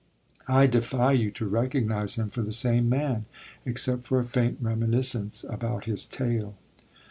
I defy you to recognise him for the same man except for a faint reminiscence about his tail.